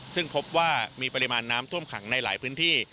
ซึ่งพบว่ามีปริมาณน้ำท่วมขังในหลายพื้นที่